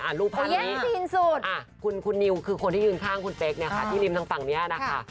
รูปภาพคุณนิวคือคนที่ยืนข้างคุณเป๊กเนี่ยค่ะที่ริมทางฝั่งนี้นะคะ